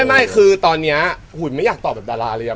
ไม่คือตอนนี้หุยไม่อยากตอบแบบดาราเลย